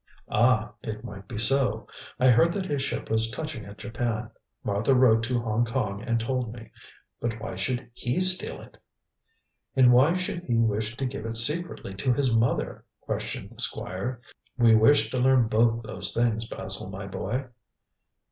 "Ah! it might be so. I heard that his ship was touching at Japan. Martha wrote to Hong Kong and told me. But why should he steal it?" "And why should he wish to give it secretly to his mother?" questioned the Squire. "We wish to learn both those things, Basil, my boy."